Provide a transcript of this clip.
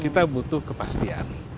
kita butuh kepastian